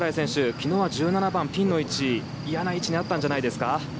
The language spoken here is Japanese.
昨日は１７番、ピンの位置嫌な位置にあったんじゃないですか？